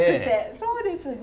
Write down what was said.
そうですね。